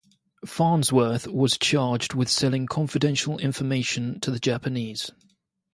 Farnsworth was charged with selling confidential information to the Japanese.